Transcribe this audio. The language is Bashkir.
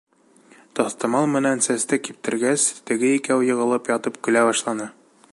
Таҫтамал менән сәсте киптергәс, теге икәү йығылып ятып көлә башланы.